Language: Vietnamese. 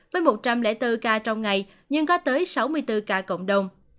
với một trăm linh bốn ca trong ngày nhưng có tới sáu mươi bốn ca cộng đồng